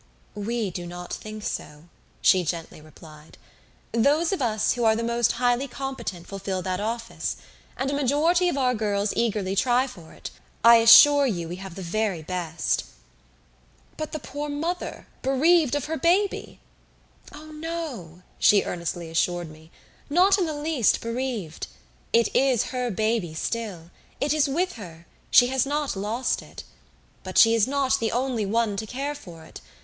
"We do not think so," she gently replied. "Those of us who are the most highly competent fulfill that office; and a majority of our girls eagerly try for it I assure you we have the very best." "But the poor mother bereaved of her baby " "Oh no!" she earnestly assured me. "Not in the least bereaved. It is her baby still it is with her she has not lost it. But she is not the only one to care for it.